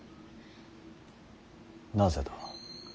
なぜだ。